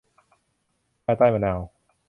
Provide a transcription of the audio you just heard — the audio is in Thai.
ภายใต้มะนาว